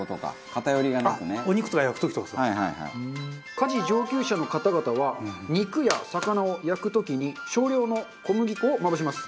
家事上級者の方々は肉や魚を焼く時に少量の小麦粉をまぶします。